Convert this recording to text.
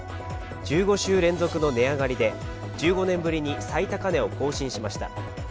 １５週連続の値上がりで１５年ぶりに最高値を更新しました。